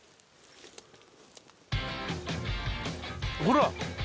ほら。